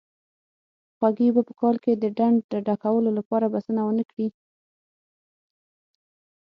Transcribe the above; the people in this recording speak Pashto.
که خوږې اوبه په کال کې د ډنډ ډکولو لپاره بسنه ونه کړي.